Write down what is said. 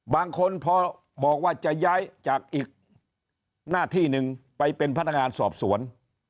บางคนพอบอกว่าจะย้ายจากอีกหน้าที่หนึ่งไปเป็นพนักงานสอบสวน